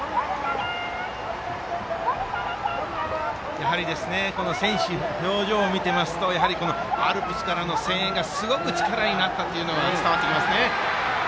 やはり選手の表情を見ていますとアルプスからの声援がすごく力になったことが伝わりますね。